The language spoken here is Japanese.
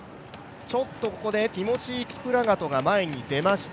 ここでティモシー・キプラガトが前に出ました。